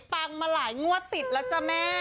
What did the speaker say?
มาหลายงวดติดแล้วจ้ะแม่